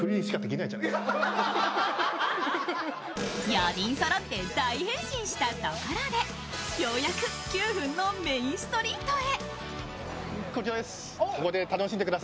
４人そろって大変身したところでようやく九フンのメインストリートへ。